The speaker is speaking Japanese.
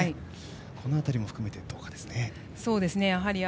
この辺りも含めてどうかですね。